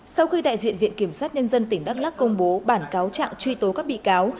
sau khi đại diện viện kiểm sát nhân dân tỉnh đắk lắc công bố bản cáo trạng truy tố các bị cáo